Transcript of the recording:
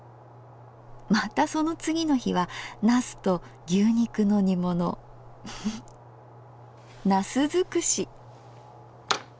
またその次の日は「茄子と牛肉の煮物」。茄子尽くし！